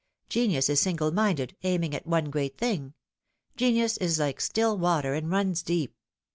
Genius is single minded, aiming at one great thing. Genius is like still water, and runs deep.